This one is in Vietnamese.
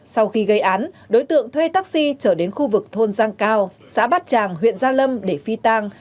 sau khi gây án đối tượng thuê taxi trở đến khu vực thôn giang cao xã bát tràng huyện gia lâm để phi tang